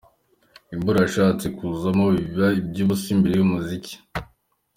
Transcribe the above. Imvura yashatse kuzamo biba iby'ubusa imbere y'umuziki.